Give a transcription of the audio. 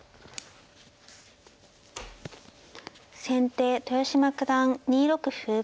先手豊島九段２六歩。